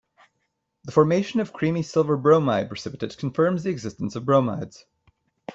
The formation of creamy silver bromide precipitate confirms the existence of bromides.